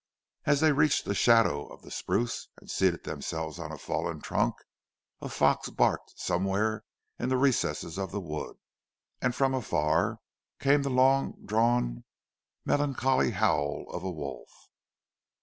As they reached the shadow of the spruce, and seated themselves on a fallen trunk, a fox barked somewhere in the recess of the wood, and from afar came the long drawn melancholy howl of a wolf.